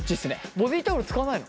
ボディータオル使わないの？